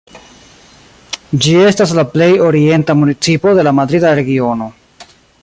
Ĝi estas la plej orienta municipo de la Madrida Regiono.